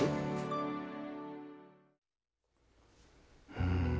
うん。